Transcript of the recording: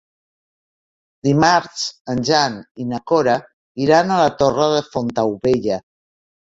Dimarts en Jan i na Cora iran a la Torre de Fontaubella.